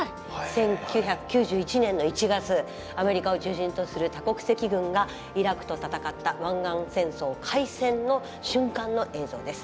１９９１年の１月アメリカを中心とする多国籍軍がイラクと戦った湾岸戦争開戦の瞬間の映像です。